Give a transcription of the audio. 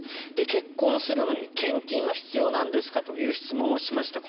結婚するのに献金は必要なんですか？という質問をしました。